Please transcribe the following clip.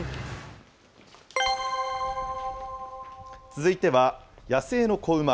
続いては、野生の子馬。